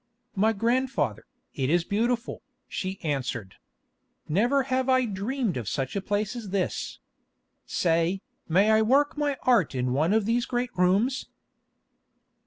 "My grandfather, it is beautiful," she answered. "Never have I dreamed of such a place as this. Say, may I work my art in one of these great rooms?"